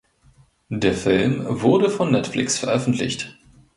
Der Film wurde von Netflix veröffentlicht.